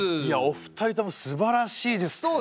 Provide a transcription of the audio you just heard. いやお二人ともすばらしいです。